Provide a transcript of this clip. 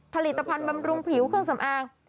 ผลิตภัณฑ์บำรุงผิวเครื่องสำอาง